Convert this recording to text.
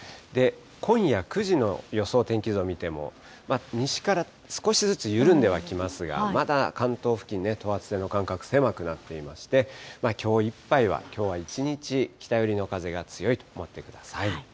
今夜９時の予想天気図を見ても、西から少しずつ緩んではきますが、まだ関東付近、等圧線の間隔、狭くなっていまして、きょういっぱいは、きょうは一日、北寄りの風が強いと思ってください。